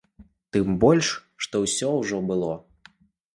Тым больш, што ўсё ўжо было.